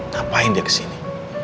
ngapain dia kesini